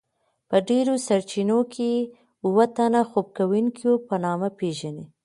په ډیرو سرچینو کې اوه تنه خوب کوونکيو په نامه پیژني.